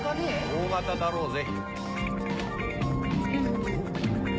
Ｏ型だろうぜ。